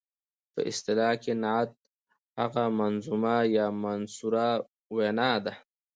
په اصطلاح کې نعت هغه منظومه یا منثوره وینا ده.